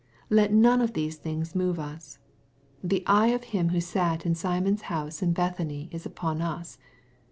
Eef none of these things move us. The eye of Him who sat in Simon's house in Bethany is upon us.